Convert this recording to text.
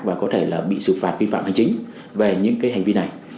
và có thể là bị xử phạt vi phạm hành chính về những cái hành vi này